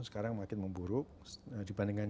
sekarang makin memburuk dibandingkan